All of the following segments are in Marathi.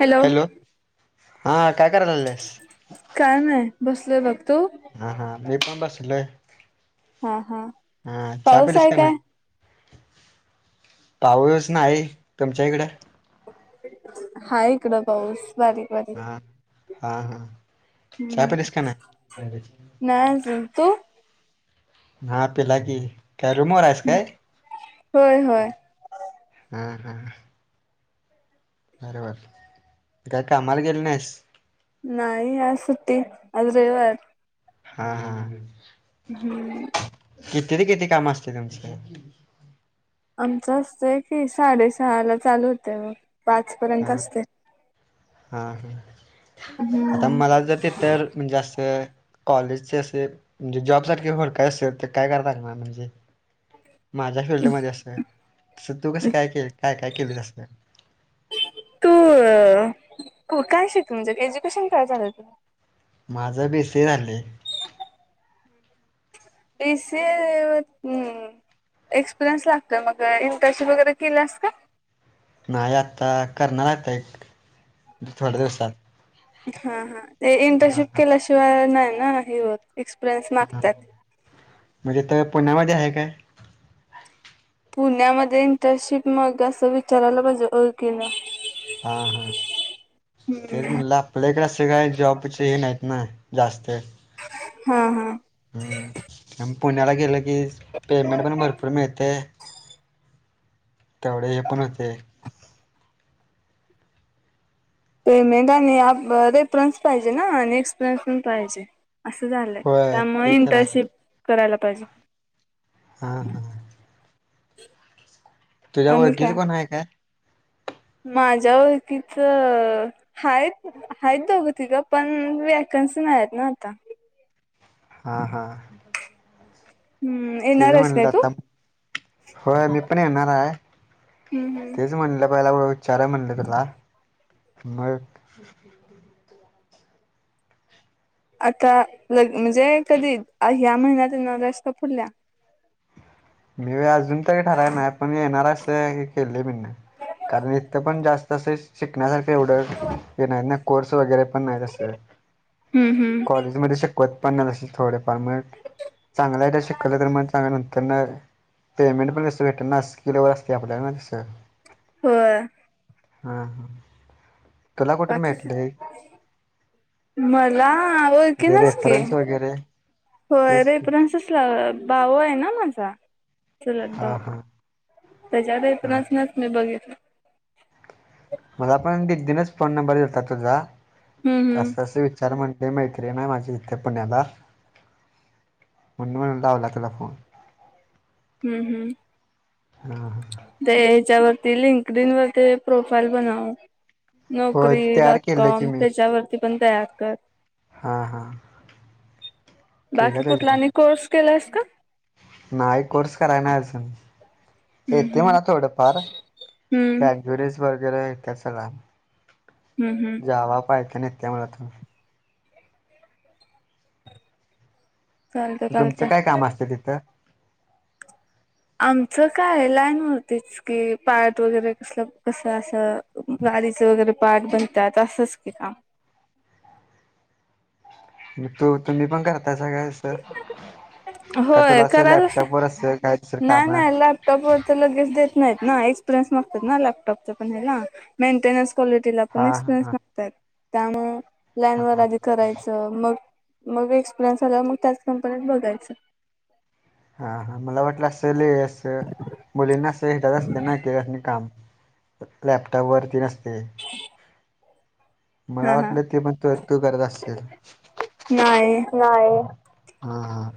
हॅलो! हा.. काय करायला लागल्यास? काय नाही.. बसलेय बघ.. तू? हा.. हा.. मी पण बसलोय.. हा.. चहा पाऊस पिलीस आहे का काय नाय? पाऊ.. स नाही.. तुमच्या इकड? हाय.. इकडं पाऊस.. बारीक बारीक हा.. हा.. हा.. चहा पिलीस का नाय? नाय अजून.. तू? हा पिला की.. काय रूमवर आहेस काय? होय ह.. होय ह.. ह.. अरे बापरे.. काय कामाला गेली नाहीस? नाही आज सुट्टी.. आज रविवार हां हां हां हां. हम्म. किती ते किती काम असते तुमच? आमचं असत की साडेसहा ला चालू होतय बघ पाच पर्यंत असतय. हां हां, आता हम्म मला जर ती तर म्हणजे असं कॉलेजचे असे म्हणजे जॉब सारखे वर्कर असत्यात तर कराय लगणार म्हणजे माझ्या फिल्डमध्ये अस, तस तू कस काय के काय काय केलीस आस? तू काय शि म्हणजे एज्युकेशन काय झालय तुझ? माझं बी सी ए झालंय. बी सी ए व हम्. एक्सपिरियन्स लागतो मग, इंटर्शिप वगैरे केलियेस का? नाही आत्ता करणार आता एक थोड्या दिवसात. हां हां ते हा इंटर्नशिप हा केल्याशिवाय नाही ना हे होत एक्सपिरियन्स मागतात. म्हणजे तर पुण्यामध्ये आहे काय? पुण्यामध्ये इंटर्नशिप मग असं विचारायला पाहिजे ओळखीन. हा हा तेच म्हणला आपल्या इकडं आस काय जॉबचे हे नाहीत ना जास्त. हां हां. हम्म आणि पुण्याला गेलं की पेमेंट पण भरपूर मिळतय. तेवढ हे पण होतय. पेमेंट आणि आप रेफरेन्स पाहिजे ना आणि एक्सपिरीयन्स पण पाहिजे. असं झालंय, होय त्यामुळे ते तर आहे इंटर्नशिप करायला पाहिजे. हां हां. तुझ्या ओळखीच कोण हाय काय? माझ्या ओळखीचं हायत हाय त दोघं तिघ पण वॅकन्सी नाही आहेत ना आता. हा हा. हम्म. तेच येणार आहेस काय म्हणलं तू? आता होय मी पण येणार हाय हम् हम्. तेच म्हणलं पहिला विचारुया म्हणल तुला, मग [inaudible] आता लग म्हणजे कधी ह्या महिन्यात येणार आहेस का पुढल्या? मी वय अजून तरी ठराय नाय पण येणार हाय अस हे केलय मी न. कारण इथं पण जास्त असं शिकण्यासाठी एवढं हे नाहीत ना कोर्स वगैरे पण नाही असं. [inaudible] हम्म हम्. कॉलेज मध्ये शिकवत पण नाही असं थोडेफार म चांगलं जर शिकवलं तर मग चांगलं नंतर न पेमेंट पण तसं भेटल ना, स्किलवर असते आपल्याला ना तसं. होय. हां. तुला कुठून बाकीच भेटले मला म्हणजे ओळखीनच की, रेफरन्स वगैरे होय तेच की रेफरेन्सला भाऊ आहे ना माझा चुलत भाऊ, हां हां त्याच्या हां. रेफरन्सनच मी बघितलं. मला पण दिदीनच फोन नंबर दिलता तुझा, हम्म हम्म असं असं विचार म्हण ते मैत्रीण आहे माझी इथं पुण्याला म्हणू म्हणून लावला तूला फोन. हम्म हम्म. हा हा ते ह्याच्यावर ती लिंकडीन वर ते प्रोफाईल बनाव. होय नोकरी तयार डॉट केलं की कॉम मी त्याच्यावरती पण तयार कर. हा हा. केलं बाकी कुठला त्याच्यावर आणि कोर्स केलायस का? नाय कोर्स कराय नाय अजून हम्म येते हम्म मला थोडंफार. हम्म ज्युडस वगैरे येत्यात सगळं आम् हम्म हम्म. जावा पायथॉन येते मला थो चालतंय तुमचं चालतंय काय काम असतं तिथं? आमचं काय एलायन होती च की पार्ट वगैरे कसलं कसं असं गाडीचं वगैरे पार्ट बनत्यात असंच की काम. मी तो तुम्ही पण करतायसा का असं? काय तुला असं लॅपटॉप वर असतं कायत सर नाय नाय लॅपटॉप व तर लगेच देत नाहीत ना एक्सपिरियन्स मागतात ना लॅपटॉप पण हे ना मेंटेनन्स क्वालिटीला पण हा एक्सपिरीयन्स हा मागता आहेत त्यामुळं लाईन हा वर हा आदी कराय च मग मग एक्सपिरियन्स झाल्यावर मग त्याच कंपनीत बघायचं हा हा मला वाटलं असं लयस स मुलींना असं हे [unintelligible] असते ना [unintelligible] काम. लॅपटॉपवरती नसते [unintelligible] मला हा हा वाटलं ते पण तू तू करत असेल नाही नाही. हा हा.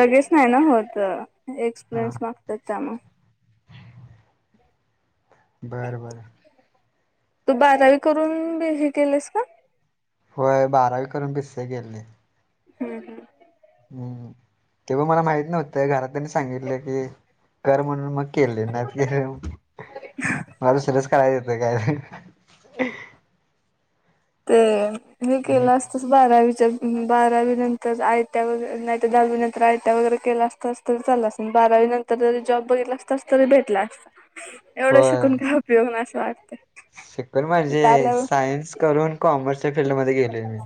लगेच नाही ना होत हा एक्सपिरियन्स मागतात त्यामुळ. बरं बरं. तू बारावी करून बी हे केलस का? होय बारावी करून बिस्से केलयं. हम्म हम्म. हम्म हम्म तेव्हा मला माहित नव्हतं घरातल्यांनी सांगितलं की कर म्हणून मग केले नाहीतर कशाला मग मला दुसरच करायच येतं काय. ते हे हम्म केलास सस बारावीच्या बारावीनंतर आय टी आय वगैरे नाहीतर दहावीनंतर आय टी आय वगैरे केल्या असतास तरी चाललं असेन बारावी नंतर जरी जॉब बघितला असता तस तरी भेटला असता. एवढं होय शिकून काय उपयोग नाय असं वाटते. शिकून म्हणजे सायन्स करून कॉमर्सच्या फीलडमध्ये गेलोय मी.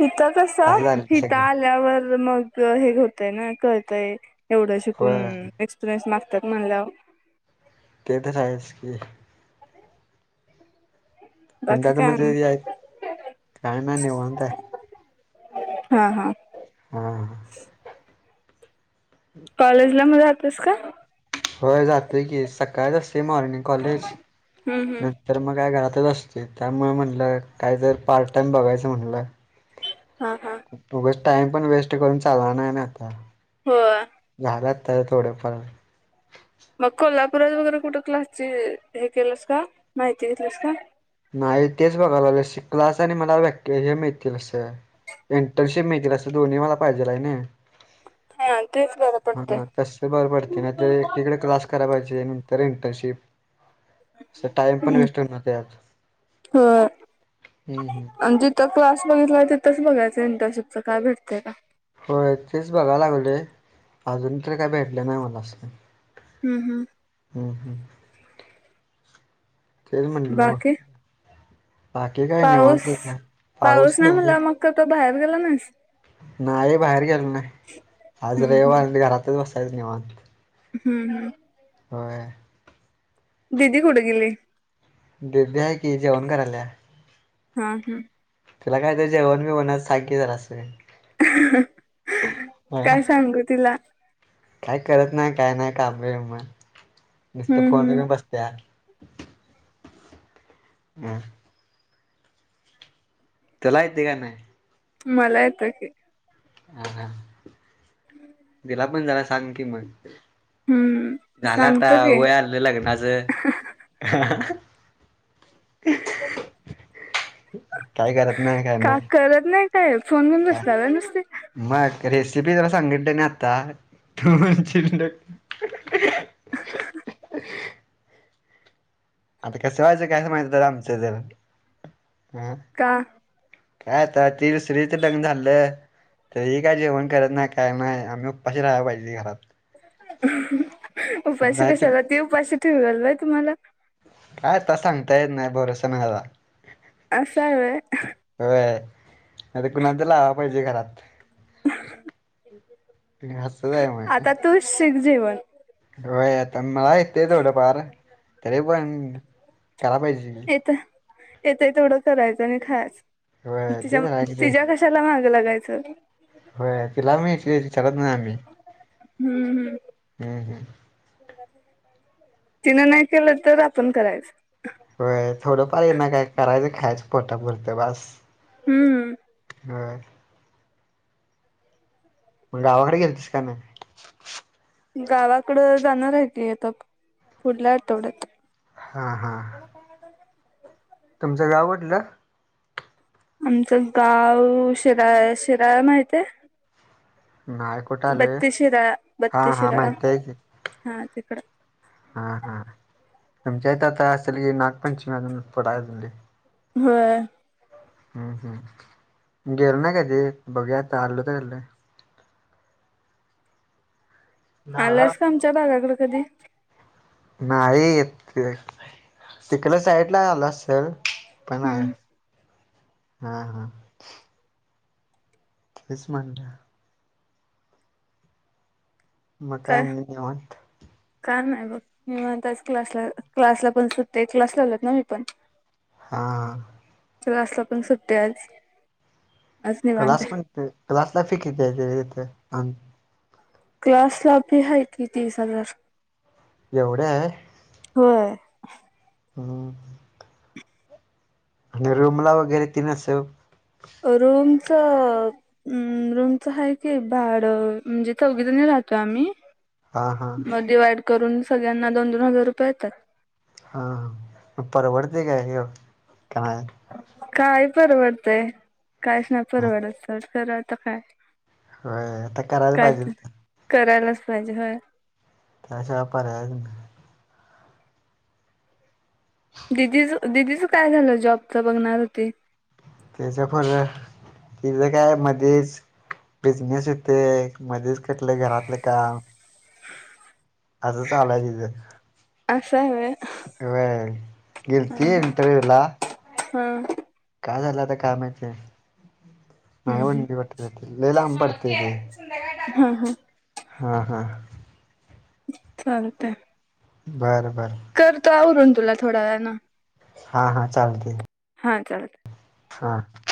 हिथं कसं असं झालं हिथं सगळं आल्यावर मग हे होतय ना कळतय एवढं शिकून होय एक्सपिरियन्स मागतात म्हणल्यावर. ते तर आहेच की. [inaudible] पण बाकी त्या तर काय म्हणजे नाही. ये आहेत काय नाय निवांत आहे. हा हा. हा. कॉलेज ला मग जातोयस का? होय जातोय की, सकाळचं असतय मॉर्निंग कॉलेज, हम्म हम्म नाही तर मग काय घरातच असतोय, त्यामुळे म्हणलं काय तर पार्ट टाइम बघायचं म्हणलं. हा हा. उगच टाइम पण वेस्ट करून चालणार नाही ना आता. होय. झालं आता हे थोडंफार. मग कोल्हापुरात वगैरे कुठं क्लासची हे केलंस का, माहिती घेतलंस का? नाही, तेच बघाय लागलोय, शिकलाच आणि मला व्याक्य हे मिळतील असं. इंटर्नशिप मिळतील असं दोन्ही मला पाहिजेल आय नाही. हा तेच बरं पडतंय. हा तसं बर पडतय, नाही तर एकटीकडे क्लास करा पाहिजे नंतर इंटर्नशिप, असं टाइम पण वेस्ट होणार त्यज्यात. होय. हम्म हम्म. आणि जिथं क्लास बघितलाय तिथंच बघायचं इंटर्नशिपच काय भेटतय का? होय तेच बघा लागलोय, अजून तरी काय भेटलं नाही मला असं. हम्म हम्म. हम्म हम्म, तेच म्हटलं बा बाकी बाकी काय निवांतच हाय, पाऊस नाही. कुठं बाहेर गेला नाहीस. नाही बाहेर गेलो नाही, आज हम्म हम्म रविवार घरातच बसायच निवांत. हम्म हम्म. होय. दिदी कुठं गेली? दीदी हाय की जेवण कराल्या. हा हा. तिला काय तर जेवणबिवणाच सांग की जरासं. अं काय सांगू तिला. काय करत नाही काय नाही कामं बिमं,, नुसतं हम्म फोन हम्म घिऊन बसत्या. हम्म. त्याला येतय का नाय.? मला येतय की. हा हा, तिला पण जरा सांग की मग. हम्म झालं आता, सांगतो की वय आलं लग्नाचं. हाहाहा. काय करत नाही काय का नाही. करत नाही काय फोन घिऊन बसत्या वय नुसती. मग रेसिपी तेला सांगितलं नाही आता,, तू म्हणशील [inaudible] [inaudible] आता कसं व्हायचं कायसं माहिती तर आमचं तर. अं. का? काय आता ति दुसरीच लग्न झालं. तरी हि काय जेवण करत नाही काय नाही, आम्ही उपाशी राहाय पाहिजे घरात. उपाशी नाही तर कशाला, ती उपाशी ठेवल व्हय तुम्हाला. काय आता सांगता येत नाही, भरोसा नाय हजा. असं हाय होय? होय, आता कुणाला तर लावाय पाहिजे घरात. [inaudible] [unintelligible] आता तूच शिक जेवण. होय आता मला येतय थोडं फार तरी पण कराय पाहिजे की. येतय तेवढं करायचं आणि खायच. होय तिच्या तेच आहे की ते तिच्या कशाला मागं लागायचं? व्हय तिला मी [unintelligible] विचारात नाय आम्ही. हम्म हम्म. हम् हम्. तिनं नाही केलं तर आपण करायचं. व्हय थोडंफार ये ना काय करायचं खायचं पोटापुरतं बास. हम्म. व्हय, म गावाकड गेलेतीस का नाय? गावाकडं जाणार आहे की आता पुढल्या आठवड्यात. हा हा. तुमचं गाव कुठलं? आमचं गाव शीराळ शिराळा माहितिये? नाय. बत्ती शिराळा बत्ती शिराळा माहिती आहे की हा तिकडं. हा हा तुमच्या इथं आता असल की नागपंचमी अजून पुढ हाय अजून लय. होय. ह हं, गेली नाही कधी, बघूया आता आलो तर आलो. आलायस का आमच्या भागाकड कधी? नाही ते तिकड साईडला आलो असल पण नाही. हम्म हा हा. तेच म्हणल. मग काय आणि निवांत? काय नाही बघ. निवांत आज क्लासला क्लासला पण सुट्टी हाय क्लास लावलेत ना मी पण. हा. क्लासला पण सुट्टी आज. आज निवांत क्लास आहे पण क्लासला फि किती हाय ती तिथं? क्लासला फी आहे की तीस हजार. एवढी हाय? होय. हम. आणि रूमला वगैरे तेन अस रूमच हम् रुमच आहे कि भाड म्हणजे चौघीजनी राहतोय आम्ही हा हा. डीवाईड करून सगळ्यांना दोन दोन हजार रुपये येतात. हा हा परवडते काय ह्यो काय परवडतंय, काहीच नाही परवडत पर खर आता काय होय.. आता करायला काय पाहिजे. तर करायलाच पाहीजे.. होय त्याशिवाय पर्यायच नाही. दिदीच.. दिदीचं काय झालं जॉबच बघणार होती. त्याच पोरगं.. तिज काय मध्येच बिझनेस येतोय.. मध्येच कुटल घरातल काम असं चालू हाय तिज असं आहे.. होय होय.. गेलती इंटरव्यूला हा. काय झालं आता काय माहितीय. नाही हम्म हम्म. होनदी वाटत.. लई लांब पडत ते.. हा हा हा.. हा.. चालतय. बरं.. बरं.. करतो आवरून तुला थोड्या वेळा न हा.. हा. चालतय. हा चालत. हां